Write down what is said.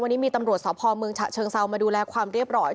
วันนี้มีตำรวจสพเมืองฉะเชิงเซามาดูแลความเรียบร้อย